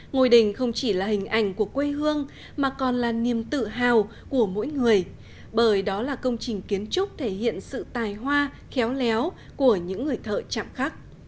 ngôi đình không chỉ là hình ảnh của quê hương mà còn là niềm tự hào của mỗi người bởi đó là công trình kiến trúc thể hiện sự tài hoa khéo léo của những người thợ chạm khắc